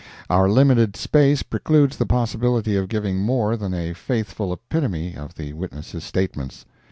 Our limited space precludes the possibility of giving more than a faithful epitome of the witnesses' statements.